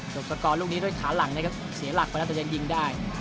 อธิบายตามรูปนี้ด้วยขาหลังนะครับเสียหลักเพราะจนยังยิงได้